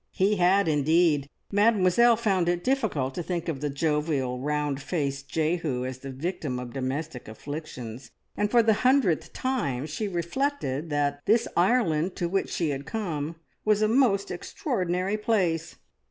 He had indeed. Mademoiselle found it difficult to think of the jovial, round faced Jehu as the victim of domestic afflictions, and for the hundredth time she reflected that this Ireland to which she had come was a most extraordinary place.